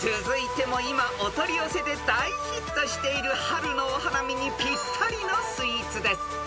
［続いても今お取り寄せで大ヒットしている春のお花見にぴったりのスイーツです］